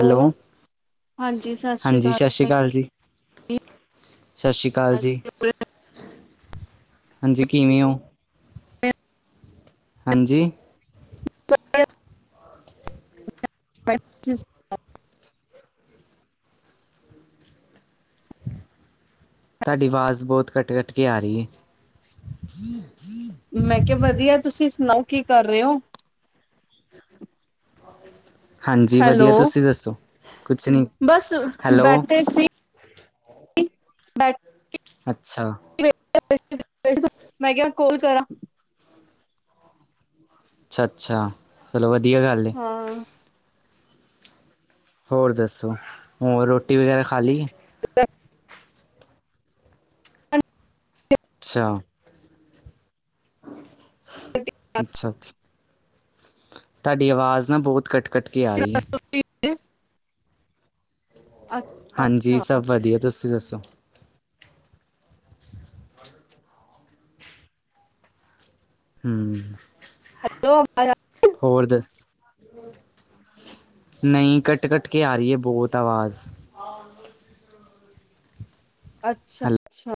Hello ਹਾਂਜੀ ਸਤਿ ਸ਼੍ਰੀ ਹਾਂਜੀ ਅਕਾਲ ਸਤਿ ਸ਼੍ਰੀ ਅਕਾਲ ਜੀ ਸਤਿ ਸ਼੍ਰੀ ਅਕਾਲ ਜੀ ਹਾਂਜੀ ਕਿਵੇਂ ਹੋ ਹਾਂਜੀ [unintelligible] ਤੁਹਾਡੀ ਆਵਾਜ਼ ਬਹੁਤ ਕੱਟ ਕੱਟ ਕੇ ਆ ਰਹੀ ਹੈ ਮੈਂ ਕਿਹਾ ਵਧੀਆ ਤੁਸੀਂ ਸੁਣਾਓ ਕੀ ਕਰ ਰਹੇ ਹੋ ਹਾਂਜੀ ਵਧੀਆ ਹੈਲੋ, ਤੁਸੀਂ ਦੱਸੋ ਕੁਛ ਨਹੀਂ ਬਸ ਹੈਲੋ ਬੈ ਅੱਛਾ ਮੈਂ ਕਿਹਾ ਕੋਲ ਕਰਾਂ ਅੱਛਾ ਅੱਛਾ ਚਲੋ ਵਧਿਆ ਗੱਲ ਹੈ। ਹਾਂ। ਹੋਰ ਦੱਸੋ ਹੋਰ ਰੋਟੀ ਵਗੈਰਾ ਖਾ ਲਈ। [unintelligible] ਅੱਛਾ ਅੱਛਾ ਤੁਹਾਡੀ ਆਵਾਜ਼ ਨਾ ਬਹੁਤ ਕੱਟ ਕੱਟ ਕੇ ਆ ਰਹੀ ਹੈ। [unintelligible] ਹਾਂਜੀ ਅੱਛਾ ਅੱਛਾ, ਸਭ ਵਧੀਆ ਤੁਸੀਂ ਦੱਸੋ [inaudible] ਹੂੰ ਹੈਲੋ ਆ ਹੋਰ ਦੱਸ ਨਹੀਂ ਕੱਟ ਕੱਟ ਕੇ ਆ ਰਹੀਏ ਬਹੁਤ ਅਵਾਜ਼ ਅੱਛਾ ਹੈਲੋ ਅੱਛਾ